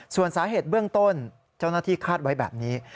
ส่วนสาเหตุเบื้องต้นเจ้าหน้าที่คาดไว้แบบนี้